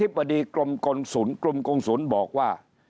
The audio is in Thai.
บดีกรมกลศูนย์กรมกงศูนย์บอกว่า